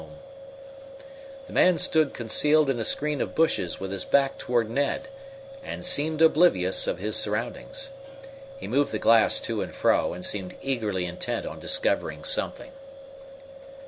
The man stood concealed in a screen of bushes with his back toward Ned, and seemed oblivious to his surroundings. He moved the glass to and fro, and seemed eagerly intent on discovering something.